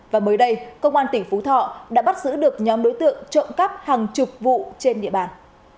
và mới đây công an tỉnh phú thọ đã bắt giữ được nhóm đối tượng trộm cắp hàng chục vụ trên địa bàn